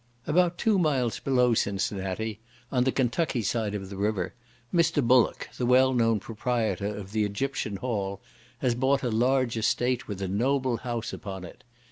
About two miles below Cincinnati, on the Kentucky side of the river, Mr. Bullock, the well known proprietor of the Egyptian Hall, has bought a large estate, with a noble house upon it.